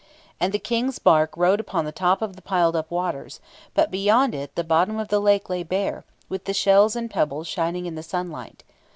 And the King's bark rode upon the top of the piled up waters; but beyond it the bottom of the lake lay bare, with the shells and pebbles shining in the sunlight.